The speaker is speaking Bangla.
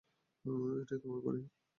এটাই তোমার বাড়ি।